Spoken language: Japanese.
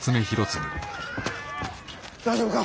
大丈夫か？